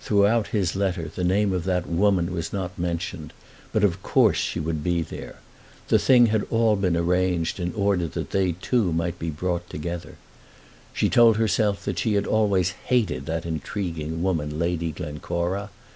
Throughout his letter the name of that woman was not mentioned, but of course she would be there. The thing had all been arranged in order that they two might be brought together. She told herself that she had always hated that intriguing woman, Lady Glencora.